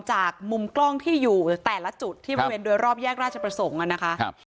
จากมุมกล้องที่อยู่แต่ละจุดที่บริเวณโดยรอบแยกราชประสงค์นะคะ